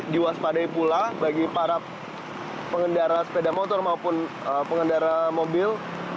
diwaspadai pula bagi para pengendara sepeda motor maupun pengendara mobil